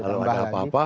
kalau ada apa apa